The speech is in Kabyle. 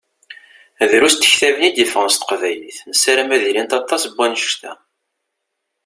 Drus n tektabin i d-yeffɣen s teqbaylit, nessaram ad ilint aṭas n wannect-a.